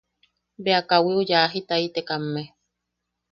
Bea kawiu yajitaitekamme;.